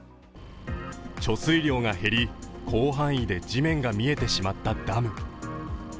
貯水量が減り、広範囲で地面が見えてしまったダム。